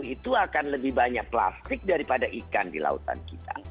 dua ribu tiga puluh itu akan lebih banyak plastik daripada ikan di lautan kita